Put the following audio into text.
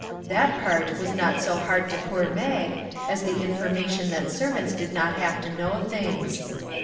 That part was not so hard to poor Mag as the information that serv ants did not have to know things.